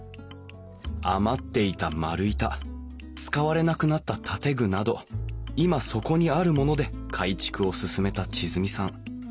余っていた丸板使われなくなった建具など今そこにあるもので改築を進めた千純さん。